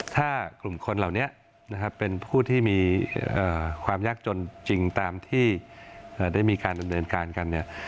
ถ้ากลุ่มคนเหล่านี้นะครับเป็นผู้ที่มีความยากจนจริงตามที่ได้มีการดำเนินการกันเนี่ย